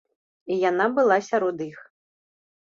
І яна была сярод іх.